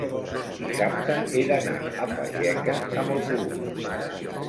Dissabte he d'anar a Fageca amb autobús.